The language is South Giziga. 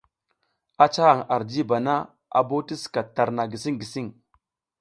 A ca hang ar jiba na, a bo ti skat tarna gising gising.